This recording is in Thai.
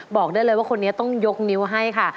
บอกได้เลยว่าคนนี้ต้องยกนิ้วให้ค่ะ